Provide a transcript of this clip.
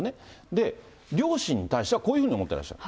で、両親に対してはこういうふうに思ってらっしゃる。